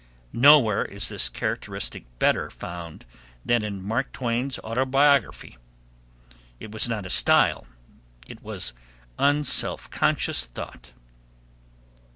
[Nowhere is this characteristic better found than in Twain's 'Autobiography,' it was not a "style" it was unselfconscious thought D.W.